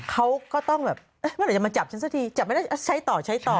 เขาก็ต้องแบบเมื่อไหร่จะมาจับฉันสักทีจับไม่ได้ใช้ต่อใช้ต่อ